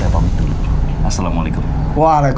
ini alhamdulillah sekali nih